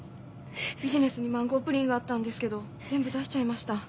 ビジネスにマンゴープリンがあったんですけど全部出しちゃいました。